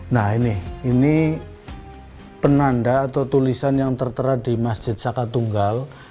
nah ini ini penanda atau tulisan yang tertera di masjid saka tunggal